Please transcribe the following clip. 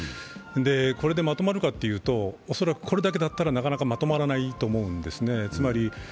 これでまとまるかというと恐らくこれだけだったらなかなかまとまらないと思うんです。